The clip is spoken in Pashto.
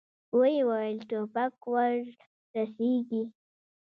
ويې ويل: ټوپک ور رسېږي!